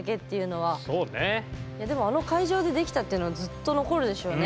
いやでもあの会場でできたっていうのはずっと残るでしょうね。